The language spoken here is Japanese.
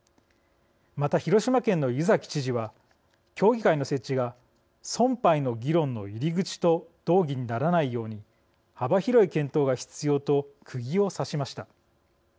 また、広島県の湯崎知事は協議会の設置が存廃の議論の入り口と同義にならないように幅広い検討が必要とくぎを刺しました。